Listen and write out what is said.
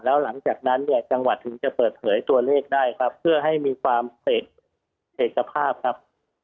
แล้วหลังจากนั้นเนี่ยจังหวัดถึงจะเปิดเผยตัวเลขได้ครับเพื่อให้มีความเสร็จภาพครับ